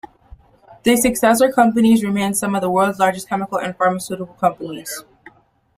The successor companies remain some of the world's largest chemical and pharmaceutical companies.